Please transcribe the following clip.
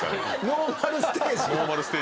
ノーマルステージ！